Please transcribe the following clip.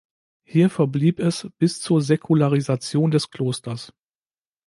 Hier verblieb es bis zur Säkularisation des Klosters.